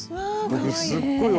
僕すっごい